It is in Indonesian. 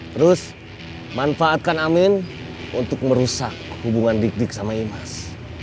terus manfaatkan amin untuk merusak hubungan dik dik sama imas